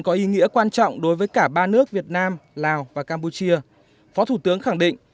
có ý nghĩa quan trọng đối với cả ba nước việt nam lào và campuchia phó thủ tướng khẳng định